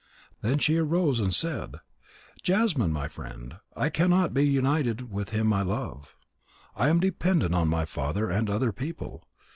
Then she arose and said: "Jasmine, my friend, I cannot be united with him I love. I am dependent on my father and other people.